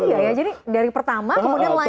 iya ya jadi dari pertama kemudian lanjut